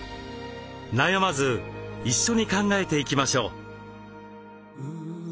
悩まず一緒に考えていきましょう。